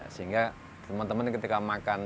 sehingga teman teman ketika makan